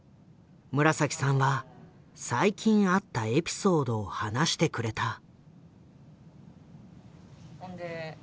紫さんは最近あったエピソードを話してくれた。